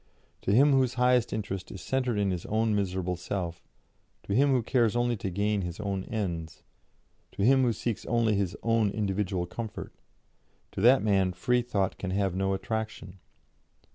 To him whose highest interest is centred in his own miserable self, to him who cares only to gain his own ends, to him who seeks only his own individual comfort, to that man Freethought can have no attraction.